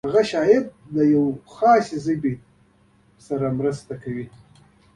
هغوی شاید یوازې د یوې ځانګړې ژبې خلکو سره مرسته وکړي.